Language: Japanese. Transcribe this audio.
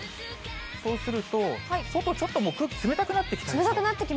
そうすると、外、ちょっともう空気、冷たくなってきました。